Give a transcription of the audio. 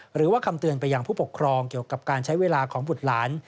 หรือว่าคำเตือนไปยังผู้ปกครองเกี่ยวกับการใช้เวลาของบุตรหลาน